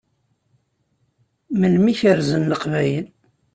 Melmi i kerrzen Leqbayel?